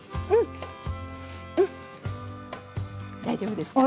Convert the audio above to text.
大丈夫ですか。